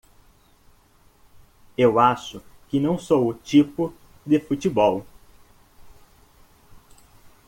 Eu acho que não sou o tipo de futebol.